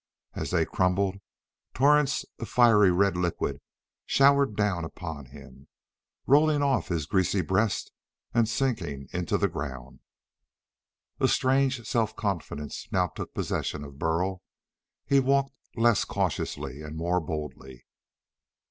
As they crumbled, torrents of a fiery red liquid showered down upon him, rolling off his greasy breast and sinking into the ground. A strange self confidence now took possession of Burl. He walked less cautiously and more boldly.